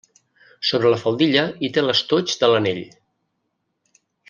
Sobre la faldilla hi té l'estoig de l'anell.